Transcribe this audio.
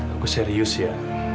aku serius ya